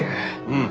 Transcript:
うん。